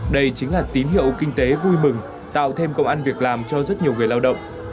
đây chính là tín hiệu kinh tế vui mừng tạo thêm công an việc làm cho rất nhiều người lao động